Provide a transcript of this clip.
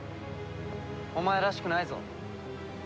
お前らしくないぞ。